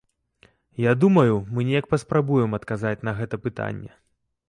Я думаю, мы неяк паспрабуем адказаць на гэта пытанне.